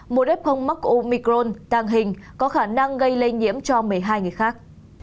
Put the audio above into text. một ép không mắc omicron tàng hình có khả năng gây lây nhiễm cho một mươi hai người khác